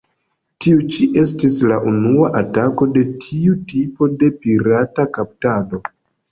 Tiu ĉi estis la unua atako de tiu tipo de pirata "kaptado".